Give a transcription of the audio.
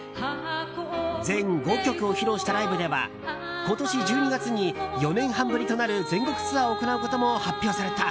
全５曲を披露したライブでは今年１２月に４年半ぶりとなる全国ツアーを行うことも発表された。